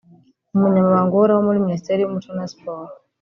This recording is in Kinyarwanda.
Umunyamabanga uhoraho muri Minisiteri y' umuco na Siporo